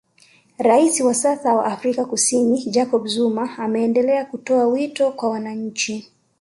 Raisi wa sasa wa Afrika Kusini Jacob Zuma ameendelea kutoa wito kwa wananchi